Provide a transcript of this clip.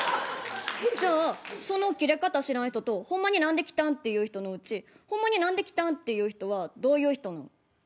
じゃあそのキレ方知らん人とほんまに何で来たん？っていう人のうちほんまに何で来たん？っていう人はどういう人なん？